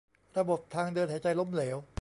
ระบบทางเดินหายใจล้มเหลว